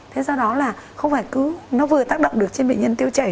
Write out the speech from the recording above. thế do đó là không phải cứ nó vừa tác động được trên bệnh nhân tiêu chảy